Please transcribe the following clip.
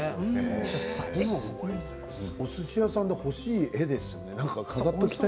でも、おすし屋さんで欲しい絵ですよ